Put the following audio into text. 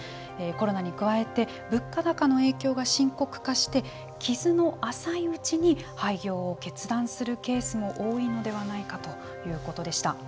コロナに加えて物価高の影響が深刻化して傷の浅いうちに廃業を決断するケースも多いのではないかということでした。